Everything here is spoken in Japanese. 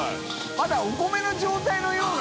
まだお米の状態のような。